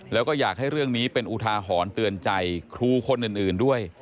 แล้วก็อยากให้เรื่องนี้เป็นอุทาหรณ์เตือนใจครูคนอื่นด้วย